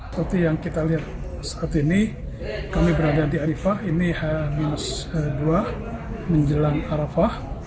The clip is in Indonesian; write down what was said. seperti yang kita lihat saat ini kami berada di arifah ini h dua menjelang arafah